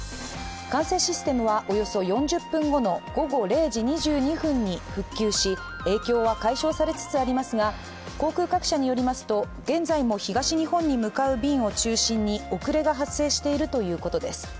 管制システムはおよそ４０分後の午後０時２２分に復旧し、影響は解消されつつありますが航空各社によりますと、現在も東日本に向かう便を中心に遅れが発生しているということです。